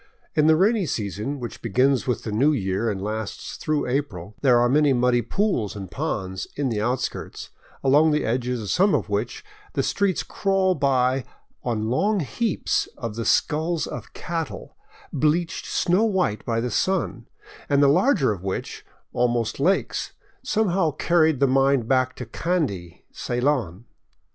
In the rainy season, which begins with the new year and lasts through April, there are many muddy pools and ponds in the outskirts, along the edges of some of which the streets crawl by on long heaps of the skulls of cattle, bleached snow white by the sun, and the larger of which, almost lakes, somehow carried the mind back to Kandy, Ceylon.